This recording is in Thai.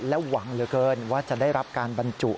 หวังเหลือเกินว่าจะได้รับการบรรจุ